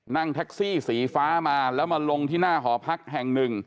นั่งแท็กซี่สีฟ้ามาแล้วมาลงที่หน้าหอพักแห่งหนึ่ง